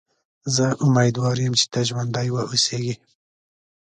زه امیدوار یم چې ته ژوندی و اوسېږې.